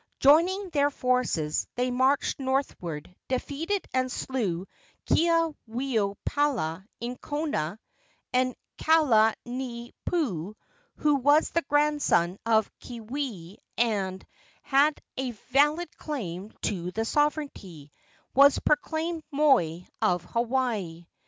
Joining their forces, they marched northward, defeated and slew Keaweopala in Kona, and Kalaniopuu, who was the grandson of Keawe and had a valid claim to the sovereignty, was proclaimed moi of Hawaii.